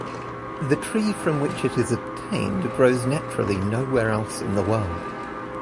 The tree from which it is obtained grows naturally nowhere else in the world.